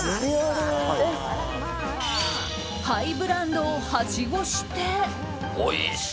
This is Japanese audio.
ハイブランドをはしごして。